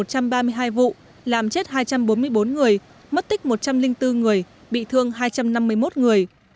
trong năm hai nghìn một mươi tám xảy ra một một trăm ba mươi hai vụ làm chết hai trăm bốn mươi bốn người mất tích một trăm linh bốn người bị thương hai trăm năm mươi một người